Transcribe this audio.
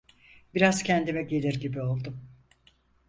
Biraz kendime gelir gibi oldum.